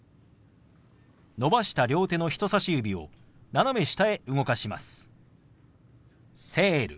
伸ばした両手の人さし指を斜め下へ動かします。